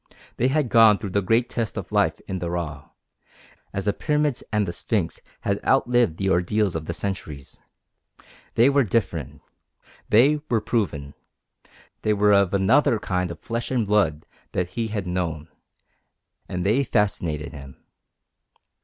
They had gone through the great test of life in the raw, as the pyramids and the sphinx had outlived the ordeals of the centuries; they were different; they were proven; they were of another kind of flesh and blood than he had known and they fascinated him.